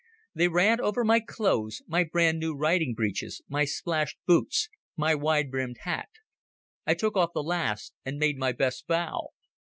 They ran over my clothes, my brand new riding breeches, my splashed boots, my wide brimmed hat. I took off the last and made my best bow.